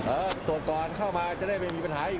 ตรวจก่อนเข้ามาจะได้ไม่มีปัญหาอีก